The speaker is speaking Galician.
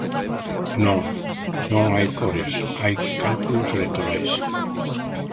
Non, non hai cores, hai cálculos electorais.